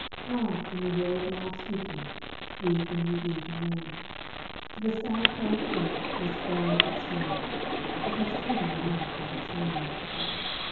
Laugh, and the world laughs with you; Weep, and you weep alone; For the sad old earth must borrow its mirth, But has trouble enough of its own.